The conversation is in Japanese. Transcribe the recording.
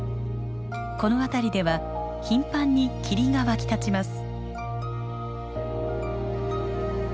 この辺りでは頻繁に霧が湧き立ちます。